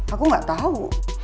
aku gak tau